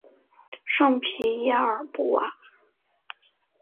圣皮耶尔布瓦。